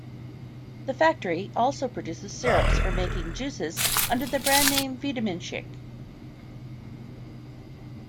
The factory also produces syrups for making juices under the brand name Vitaminchick.